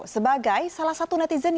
sebagai salah satu netizen